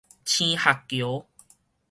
菁礐橋